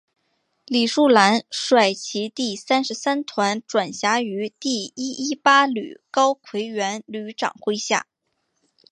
李树兰率其第三十三团转辖于第一一八旅高魁元旅长麾下。